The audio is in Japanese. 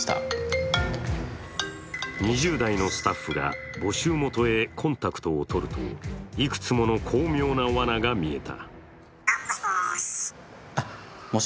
２０代のスタッフが募集元へコンタクトを取るといくつもの巧妙なわなが見えた。